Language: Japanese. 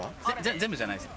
全部じゃないです。